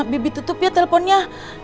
bibi tutup ya teleponnya